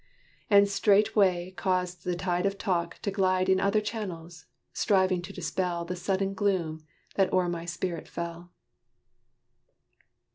And straightway caused the tide of talk to glide In other channels, striving to dispel The sudden gloom that o'er my spirit fell.